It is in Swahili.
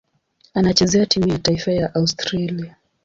Anachezea timu ya taifa ya Australia.